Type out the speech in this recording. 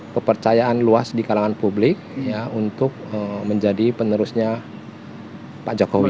kepercayaan luas di kalangan publik untuk menjadi penerusnya pak jokowi